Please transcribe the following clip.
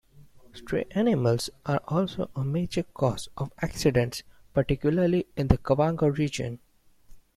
Stray animals are also a major cause of accidents, particularly in the Kavango Region.